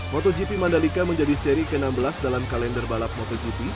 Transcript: motogp mandalika menjadi seri ke enam belas dalam kalender balap motogp